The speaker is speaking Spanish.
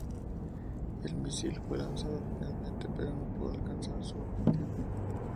El misil fue lanzado finalmente pero no pudo alcanzar su objetivo.